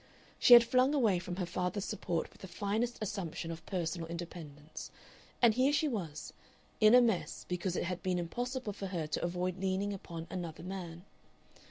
She had flung away from her father's support with the finest assumption of personal independence. And here she was in a mess because it had been impossible for her to avoid leaning upon another man.